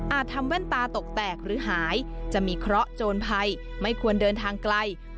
ทำแว่นตาตกแตกหรือหายจะมีเคราะห์โจรภัยไม่ควรเดินทางไกล